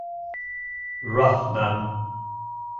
Rathnam.